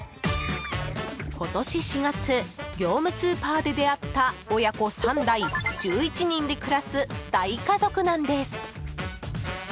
今年４月業務スーパーで出会った親子３代１１人で暮らす大家族なんです。